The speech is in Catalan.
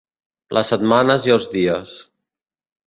Les setmanes i els dies.